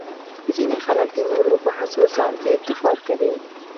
ځینې خلک د نورو په هڅو ځان ته افتخار کوي.